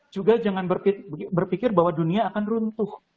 juga jangan berpikir bahwa dunia akan runtuh